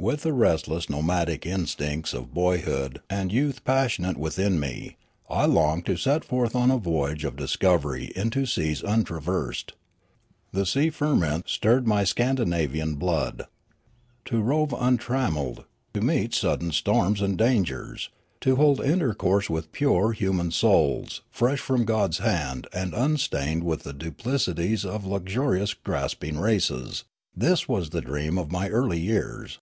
With the restless nomadic instincts of boyhood and youth passionate within me, I longed to set forth on a voyage of discovery into seas untraversed. The sea ferment stirred my Scandinavian blood. To rove untrammelled, to meet sudden storms and dangers, to hold intercourse with pure human souls fresh from God's hand and unstained with the duplicities of lux urious grasping races — this was the dream of my early years.